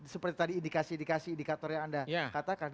seperti tadi indikasi indikasi indikator yang anda katakan